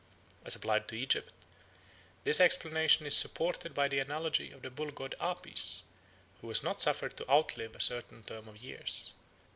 As applied to Egypt, this explanation is supported by the analogy of the bull god Apis, who was not suffered to outlive a certain term of years.